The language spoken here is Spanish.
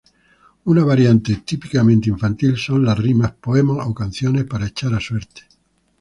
Una variante típicamente infantil son las rimas, poemas o canciones para echar a suertes.